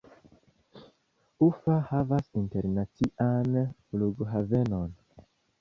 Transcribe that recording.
Ufa havas internacian flughavenon.